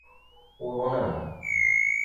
Uḍnen.